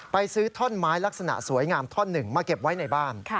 ไปซื้อท่อนไม้ลักษณะสวยงามท่อนหนึ่งมาเก็บไว้ในบ้าน